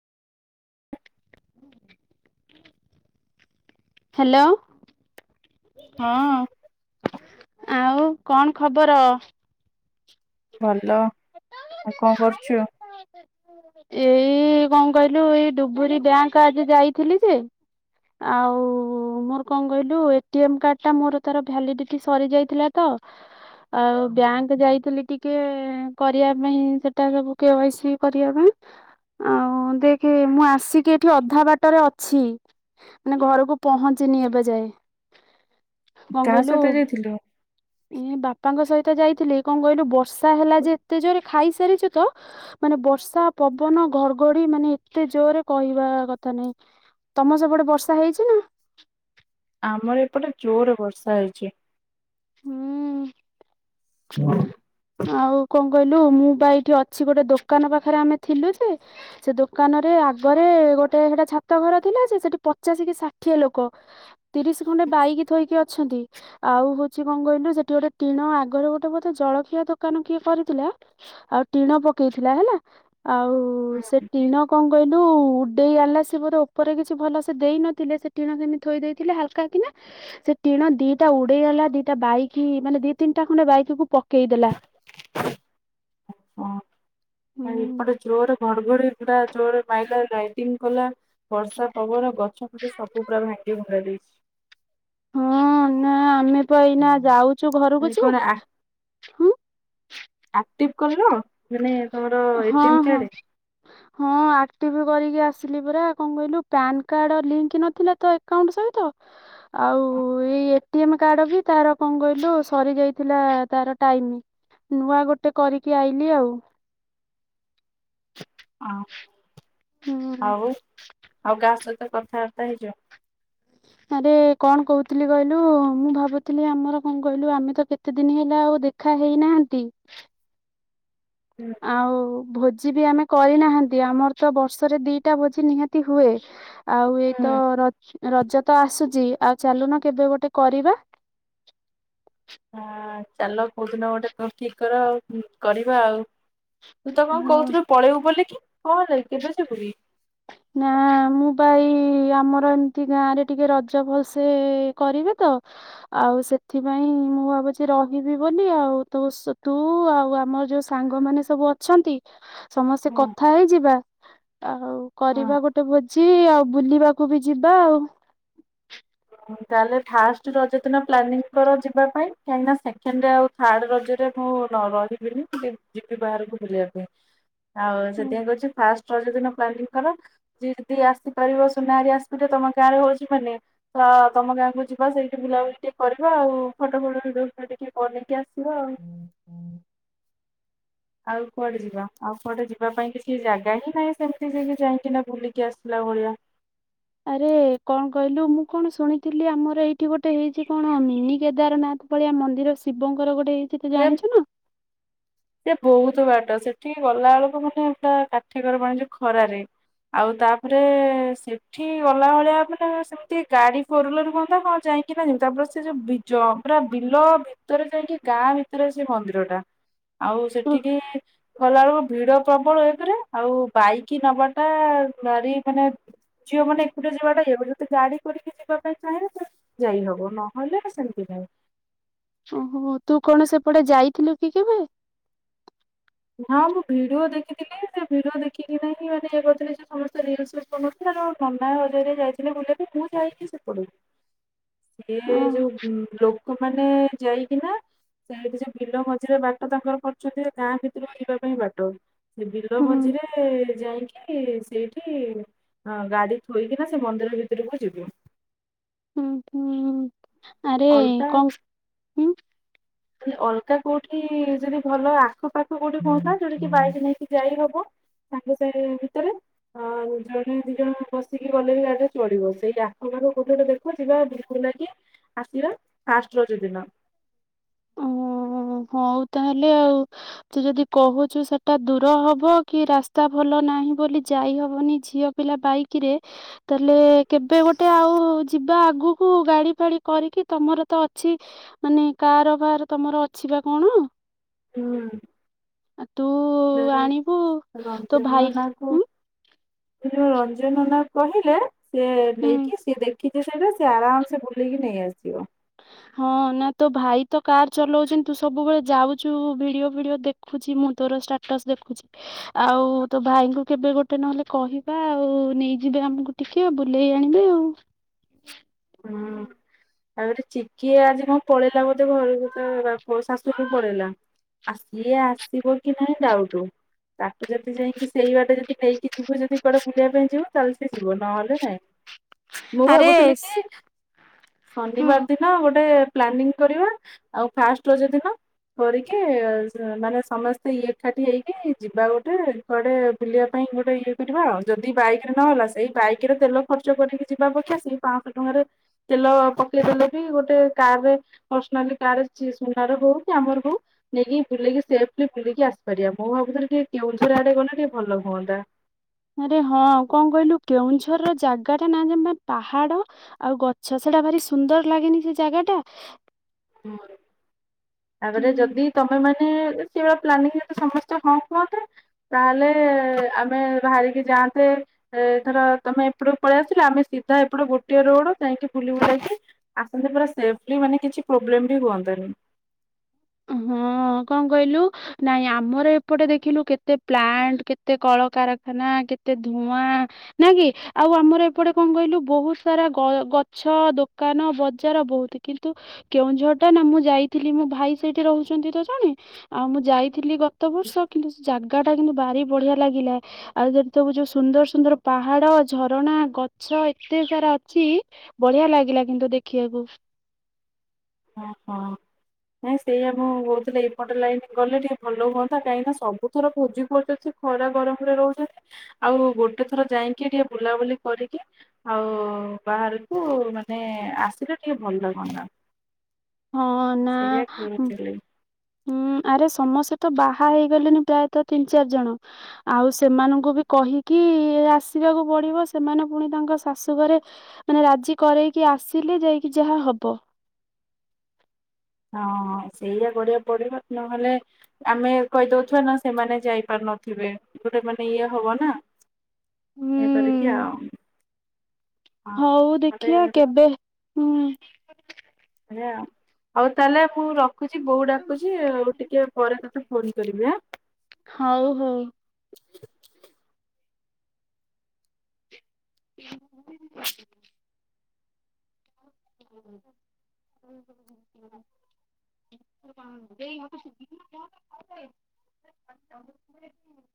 [inaudible] Hello. ହଁ। ଆଉ କଣ ଖବର? ଭଲ। ଆଉ କଣ କରୁଛ? [inaudible] ଏଇ କଣ କହିଲୁ ଏଇ ଡୁବରି ବ୍ୟାଙ୍କ ଆଜି ଯାଇଥିଲି ଯେ ଆଉ ମୋର କଣ କହିଲୁ ଏଟି ଏମ କାର୍ଡ ଟା ମୋର ତାର ଭାଲିଡିଟି ସରି ଯାଇଥିଲା ତ ଆଉ ବ୍ୟାଙ୍କ ଯାଇଥିଲି ଟିକେ କରିବା ପାଇଁ ସେଟା କେ ୟା ସି କରିବା ପାଇଁ ଆଉ ଦେଖ ମୁଁ ଆସିକି ଏଠି ଅଧା ବାଟରେ ଅଛି ମାନେ ଘରକୁ ପହଞ୍ଚିନି ଏବେ ଯାଏ। କନ କାହା କହିଲୁ ସହିତ ଯାଇଥିଲୁ? ଏ ବାପାଙ୍କ ସହିତ ଯାଇଥିଲି। କଣ କହିଲୁ ବର୍ଷା ହେଲା ଯେ ଏତେ ଜୋରେ ଖାଇସାରିଛୁ ତ ମାନେ ବର୍ଷା ପବନ ଘଡଘଡି ମାନେ ଏତେ ଜୋରରେ କହିବା କଥା ନାହିଁ ତମ ସବୁଟେ ବର୍ଷା ହେଇଛି ନା? ଆମର ଏପଟେ ଜୋରରେ ବର୍ଷା ହେଇଛି। ହୁଁ ହଁ ଆଉ କଣ କହିଲୁ ମୁଁ ବା ଏଇଠି ଅଛି ଗୋଟେ ଦୋକାନ ପାଖରେ ଆମେ ଥିଲୁ ଯେ ସେ ଦୋକାନରେ ଆଗରେ ଗୋଟେ ସେଟା ଛାତ ଘର ଥିଲା ସେ ସେଠି ପଚାଶ କି ଷାଠିଏ ଲୋକ। ତିରିଶ ଖଣ୍ଡେ ବାଇକି ଥୋଇକି ଅଛନ୍ତି। ଆଉ ସେ କଣ କହିଲୁ ସେଠି ଗୋଟେ ଟିଣ ଆଗରୁ ଗୋଟେ ବୋଧେ ଜଳଖିଆ ଦୋକାନ କିଏ କରିଥିଲା। ଆଉ ଟିଣ ପକେଇଥିଲା ହେଲା, ଆଉ ସେ ଟିଣ କଣ କହିଲୁ ଦେଇ ଆଲା ସେ ବୋଧେ ଉପରେ କିଛି ଭଲ ସେ ଦେଇ ନଥିଲେ ସେ ଟିଣ ସେମିତି ଥୋଇ ଦେଇଥିଲେ ହାଲକା କିନା। ସେ ଟିଣ ଦିଟା ଉଡିଗଲା ଦିଟା ବାଇକ ମାନେ ଦି ତିନିଟା ଖଣ୍ଡେ ବାଇକକୁ ପ ପକେଇ ଦେଲା। ହଁ ଆଉ ଏପଟେ ଜୋରରେ ଘଡଘଡିଟା ଜୋରରେ ମାଇଲା ଲାଇଟିଙ୍ଗ କଲା ବର୍ଷା ପବନ ଗଛ ସେ ସବୁ ପୁରା ଭାଙ୍ଗି ଭୁଙ୍ଗା ଦେଇଛି। ହଁ ନା ଆମେ ବା ଏଇନା ଯାଉଛୁ ଘରକୁ ଆଉ ଯେ କଣ ହୁଁ। ଆକ୍ଟିଭ କଲୁ? ମାନେ ତମର ହଁ ହଁ। ହଁ ଆକ୍ଟିଭି କରିକି ଆସିଲି ପରା କଣ କହିଲୁ ପ୍ୟାନ କାର୍ଡ ଲିଙ୍କ ନଥିଲା ତ ଏକଉଣ୍ଟ ସହିତ। [unintelligible] ଆଉ ଏଇ ଏ ଟି ଏମ କାର୍ଡ ବି ତାର କଣ କହିଲୁ ସରି ଯାଇଥିଲା ତାର ଟାଇମ। ନୂଆ ଗୋଟେ କରିକି ଆଇଲି ଆଉ। ହଁ ହୁଁ ଆଉ ଆଉ କା ସହିତ କଥାବାର୍ତ୍ତା ହେଇଚ? ଆରେ କଣ କହୁଥିଲି କହିଲୁ ମୁଁ ଭାବୁଥିଲି ଆମର କଣ କହିଲୁ ଆମେ ତ କେ କେତେ ଦିନି ହେଲା ଆଉ ଦେଖା ହେଇନାହାନ୍ତି। ହୁଁ। ଆଉ ଭୋଜି ବି ଆମେ କରିନାହାନ୍ତି ଆମର ତ ବର୍ଷରେ ଦିଟା ଭୋଜି ନିହାତି ହୁଏ। ଆଉ ଏଇତ ରଜ ତ ଆସୁଛି ଆଉ ଚାଲୁନ କେବେ ଗୋଟେ କରିବା। ହଁ ଚାଲ କୋଉଦିନ ଗୋଟେ ଠିକ କର ଆଉ କରିବା ଆଉ। ତୁ ତ କଣ କହୁଥିଲୁ ପଳେଇବୁ ବୋଲିି କି କଣ କେବେ ଯିବୁକି? ନା ମୁଁ ବା ଏଇ ଆମର ଏମିତି ଗାଁ ରେ ଟିକେ ରଜ ଭଲସେ କରିବେ ତ। ଆଉ ସେଥିପାଇଁ ମୁଁ ଭାବୁଛି ରହିବି ବୋଲି ଆଉ ତୁସ ତୁ ଆଉ ଆମର ଯୋଉ ସାଙ୍ଗମାନେ ସବୁ ଅଛନ୍ତି। [unintelligible] ସମସ୍ତେ ହଁ କଥା ହେଇଯିବା ଆଉ ହଁ। କରିବା ଗୋଟେ ଭୋଜି ଆଉ ବୁଲିବାକୁ ବି ଯିବା ଆଉ। ତାହେଲେ ଫାଷ୍ଟ ରଜ ଦିନ ପ୍ଲାନିଂ କର ଯିବା ପାଇଁ କାହିଁକି ନା ସେକେଣ୍ଡ ର ଆଉ ଥାର୍ଡ ରଜରେ ମୁଁ ରହିବିନି ଯିବି ବାହାରକୁ ବୁଲିବା ପାଇଁ। ଆଉ ହୁଁ ସେଥିପାଇଁ କଉଛି ଫାଷ୍ଟ ଗୋଟେ ଦିନ ପ୍ଲାନିଂ କର ସେ ଯଦି ଆସିପାରିବ ସୁନାରୀ ଆସିବ ତମ ଗାଁରେ ହଉଛି ମାନେ। ତ ତମ ଗାଁକୁ ଯିବା ସେଇଠି ବୁଲାବୁଲି ଟିକେ କରିବା ଆଉ ଫଟୋ ଫଟ ଭିଡିଓ ଫିଡିଓ ଟିକେ କରିକି ଆସ ଯିବା ଆଉ। ଆଉ କୁଆଡେ ଯିବା ଆଉ କୁଆଡେ ଯିବା ପାଇଁ କିଛି ଜାଗା ହିଁ ନାହିଁ ସେମିତିକି ଯାଇକି ନା ବୁଲିକି ଆସିଲା ଭଳିଆ। ଆରେ କଣ କହିଲୁ ମୁଁ କଣ ଶୁଣିଥିଲି ଆମର ଏଇଠି ଗୋଟେ ହେଇଛି କଣ ମିନି କେଦାରନାଥ ଭଳିଆ ମନ୍ଦିର ଶିବଙ୍କର ଗୋଟେ ହେଇଛି ତୁ ଜାଣିଛୁ ନା। ସେ ବହୁତ ବାଟ ସେଠିକି ଗଲା ବେଳକୁ ମାନେ ପୁରା କାଠିିକର ପାଣି ଯୋଉ ଖରାରେ। ଆଉ ତାପରେ ସେଠି ଗଲା ଭଳିଆ ମାନେ ଗୋଟେ ଗାଡି ଫୋର ହିଲର ହୁଅନ୍ତା ହଁ ଯାଇକି ନା ଯୁ ତାପରେ ସେ ଯୋବରା ବିଲ ଭିତରେ ଯାଇକି ଗାଁ ଭିତରେ ସେ ମନ୍ଦିରଟା। ଆଉ ଉଁ ସେଠିକି ଗଲା ବେଳକୁ ଭିଡ ପ୍ରବଳ ଏକେରେ ଆଉ ବାଇକି ନବାଟା ଭାରି ମାନେ ଝିଅ ମାନେ ଏକୁଟିଆ ଯିବାଟା ଇଏକରିବ ତ ଗାଡି କରିକି ଯିବା ପାଇଁ ଚାହେଁ ତ ଯାଇ ହବ ନହେଲେ ସେମିତି ନାଇ। ଓହୋ ତୁ କଣ ସେପଟେ ଯାଇଥିଲୁ କି କେବେ? ନା ମୁଁ ଭିଡ଼ିଓ ଦେଖିଥିଲି ସେ ଭିଡ଼ିଓ ଦେଖିକିନାହିଁ ମାନେ ଇଏ କରିଥିଲେ ଯେ ସମସ୍ତେ ରିଲିସି [unintelligible] ନନା ହଜରିରେ ଯାଇଥିଲେ ବୁଲେଟେରେ ମୁଁ ଯାଇକି ସେପଟକୁ। ସିଏ ଓହୋ ଯୋଉ ଲୋକମାନେ ଯାଇକିନା ସେଠି ଯୋଉ ବିଲ ମଝିରେ ବାଟ ତାଙ୍କର କରୁଛନ୍ତି ଗାଁ ଭିତ ରହିବା ପାଇଁ ବାଟ ସେ ବିଲ ହୁଁ ମଝିରେ ଯାଇକି ସେଇଠି ଗାଡି ଥୋଇକିନା ସେ ମନ୍ଦିର ଭିତରକୁ ଯିବୁ। ଉଁ ହୁଁ ଆରେ କଣ ଉଁ କହିଲି ଅଲଗା କୋଉଠି ଯଦି ଭଲ ଆଖପାଖ କୋଉଠି କହୁଥିଲା ଯୋଉଟାକିି ବାଇକି ନେଇକି ଯାଇ ହବ ସାଙ୍ଗେ ସାଙ୍ଗ ଭିତରେ ଆ ଜଣ ଦି ଜଣ ବସିକି ଗଲେବି ଗାଡିଟା ଚଳିବ ସେଇ ଆଖ ପାଖକୁ କୋଉଠି ଗୋ ଦେଖ ଯିବା ବିଲିକୁଲୁ ନା କି ଆସିବା ଫାଷ୍ଟ ରଜ ଦିନ। ଓ ହଉ ତାହେଲେ ଆଉ। ତୁ ଯଦି କହୁଚୁ ସେଟା ଦୂର ହବ କି ରାସ୍ତା ଭଲ ନାହିଁ ବୋଲି ଯାଇ ହବନି ଝିଅ ପିଲା ବାଇକି ରେ। ତାହେଲେ କେବେ ଗୋଟେ ଆଉ ଯିବା ଆଗକୁ ଗାଡି ଫାଡି କରିକି ତମର ତ ଅଛି ମାନେ କାର ଫାର ତମର ଅଛି ବା କଣ? ହୁଁ ଆଉ ତୁ ରେଡି ଆଣିବୁ ତୋ ରଜର ନ ଭାଇ ଲାଗୁ। ଉଁ ଯୋଉ ରଞ୍ଜନ ନନା କହିଲେ ସିଏ ହୁଁ। ନେଇକି ସିଏ ଦେ କିଛି ସେଇଟା ସେ ଆରାମସେ ବୁଲିକି ନେଇଆସିବ? ହଁ ନା ତୋ ଭାଇ ତ କାର ଚଲାଉଛନ୍ତି ତୁ ସବୁବେଳେ ଯାଉଚୁ ଭିଡିଓ ଫିଡିଓ ଦେଖ ଦେଖୁଛି ମୁଁ ତୋର ଷ୍ଟାଟସ ଦେଖୁଚି। ଆଉ ତୋ ଭାଇଙ୍କୁ କେବେ ଗୋଟେ ନହେଲେ କହିବା ଆଉ ନେଇଯିବେ ଆମକୁ। ଟିକେ ବୁଲେଇ ଆଣିବେ ଆଉ। ହଁ। ଆଉ ଗୋଟେ ଚିକି ଆଜି କଣ ପଳେଇଲା ବୋଧେ ଘରକୁ ତା ବା ଶାଶୁ ଘରକୁ ପଳେଇଲା। ଆ ସିଏ ଆସିବ କି ନାଇଁ ଦାଉଟୁ। ତାକୁ ଯଦି ଯାଇକି ସେଇ ବାଟେ ଯଦି ନେଇକି ଯିବୁ ଯଦି କୁଆଡେ ବୁଲେଇ ପାଇଁ ଯିବୁ ତାହେଲେ ସେ ଯିବ ନହେଲେ ନାଇଁ। ମୁଁ ଆରେ ଭାବୁଥିଲି କି ହୁଁ। ଶନିବାର ଦିନ ହଁ ଗୋଟେ ପ୍ଲାନିଂ କରିବା ଆଉ ଫାଷ୍ଟ ରଜ ଦିନ କରିକି ମାନେ ସମସ୍ତେ ଇଏ ଏକାଠି ହେଇକି ଯିବା ଗୋଟେ। କୁଆଡେ ବୁଲିବା ପାଇଁ ଗୋଟେ ଇଏ କରିବା ଆଉ ଯଦି ବାଇକି ରେ ନହେଲା ସେଇ ବାଇକି ରେ ତେଲ ଖର୍ଚ୍ଚ କରିକି ଯିବା ଅପକ୍ଷା ସି ପାଏଁସ ଟଙ୍କା ରେ ତେଲ ପକେଇ ଦେଲେ ବି ଗୋଟେ କାର ରେ ପର୍ସନାଲି କାର ସୁନାର ହଉ କି ଆମର ହଉ ନେଇକି ବୁଲେଇକି ସେଫେଲି ବୁଲିକି ଆସିପାରିବା ମୁଁ ଭାବୁଥିଲି ଟିକେ କେଉଁଝରେ ଆଡେ ଗଲେ ଟିକେ ଭଲ ହୁଅନ୍ତା। ଆରେ ହଁ କଣ କହିଲୁ କେଉଁଝରର ଜାଗା ଟା ନା ଯେମିତି ପାହାଡ। ଆଉ ଗଛ ସେଟା ଭାରି ସୁନ୍ଦର ଲାଗେନି ସେ ଜାଗା ଟା? ମୋର ତାପରେ ଉଁ ଯଦି ତମେ ମାନେ ସେଇଭଳିଆ ପ୍ଲାନିଂରେ ସମସ୍ତେ ହଁ କୁହନ୍ତେ। ତାହେଲେ ଆମେ ବାହାରିକି ଯାଆନ୍ତେ। ଏ ଥର ତମେ ଏପଟକୁ ପଳେଇ ଆସିଲା ଆମେ ସିଧା ଏପଟ ଗୋଟିଏ ରୋଡ ଯାଇକି ବୁଲି ବୁଲାଇକି ଆସନ୍ତି ପୁରା ସେଫଲି ମାନେ କିଛି ପ୍ରୋବ୍ଲେମ ବି ହୁଅନ୍ତାନି। ହଁ, କଣ କହିଲୁ? ନାଇଁ ଆମର ଏପଟେ ଦେଖିଲୁ। କେତେ ପ୍ଲାଣ୍ଟ, କେତେ କଳକାରଖାନା, କେତେ ଧୂଆଁ, ନା କି ଆଉ ଆମର ଏପଟେ କଣ କହିଲୁ? ବହୁତ ସାରା ଗ -ଗଛ, ଦୋକାନ ବଜାର, ବହୁତ କିନ୍ତୁ କେଉଁଝର ଟା ନା ମୁଁ ଯାଇଥିଲି ମୋ ଭାଇ ସେଇଠି ରହୁଛନ୍ତି ତ ଜଣେ। ଆଉ ମୁଁ ଯାଇଥିଲି ଗତ ବର୍ଷ କିନ୍ତୁ ସେ ଜାଗା ଟା କିନ୍ତୁ ଭାରି ବଢିଆ ଲାଗିଲା। ଆଉ ଯଦି ତବୁ ଯୋଉ ସୁନ୍ଦର ସୁନ୍ଦର ପାହାଡ, ଝରଣା, ଗଛ ଏତେ ସାରା ଅଛି। ବଢିଆ ଲାଗିଲା କିନ୍ତୁ ଦେଖିବାକୁ। ହଁ ହଁ। ନାଇଁ ସେଇୟଆ, ମୁଁ କହୁଥିଲେ ଏଇପଟେ ଲାଇନ ଗଲେ ଟିକେ ଭଲ ହୁଅନ୍ତା କାହିଁକି ନା ସବୁ ଥର ଭୋଜି ପଡୁଛି? ଖରା ଗରମରେ ରହୁଛନ୍ତି। ଆଉ ଗୋଟେ ଥର ଯାଇକି ଟିକେ ବୁଲାବୁଲି କରିକି- ଆଉ ବାହାରକୁ ମାନେ ଆସିଲେ ଟିକେ ଭଲଲାଗନ୍ତା ହଁ ନା [unintelligible] କହୁଥିଲି। ହୁଁ, ଆରେ ସମସ୍ତେ ତ ବାହା ହେଇଗଲେଣିି ପ୍ରାୟତ ତିନି ଚାରି ଜଣ। ଆଉ ସେମାନଙ୍କୁ ବି କହିକି ଆସିବାକୁ ପଡିବ। ସେମାନେ ପୁଣି ତାଙ୍କ ଶାଶୁ ଘରେ ମାନେ ରାଜି କରେଇକି ଆସିଲେ ଯାଇକି ଯାହା ହବ। ହଁ, ସେଇରା କରିବାକୁ ପଡିବ ନହେଲେ। ଆମେ କହିଦଉଥିବା ନା ସେମାନେ ଯାଇପାରୁ ନଥିବେ ଗୋଟେ ମାନେ ଇଏ ହବ ନା। କରିକି ଆ ହୁଁ। ଭ ହଉ ଦେଖିଆ [unintelligible] କେବେ ହୁଁ। ଏୟା ଆଉ ତାହେଲେ ପୁ ର [unintelligible] ରଖୁଚି ବଉ ଡାକୁଛି, ଆଉ ଟିକେ ପରେ ତୋତେ ଫୋନ କରିବି ଆଁ। ହଉ ହଉ। [unintelligible] ହ ହୁଁ ହଁ ହଁ ହୁଁ [unintelligible] ଏଇ [unintelligible] [unintelligible]